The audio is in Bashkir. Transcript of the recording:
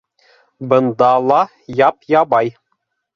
- Бында ла яп-ябай.